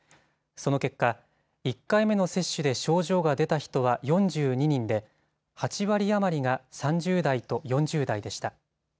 その結果、１回目の接種で症状が出た人は４２人で８割余りが３０代と４０代でした。